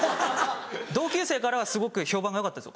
同級生からはすごく評判がよかったです。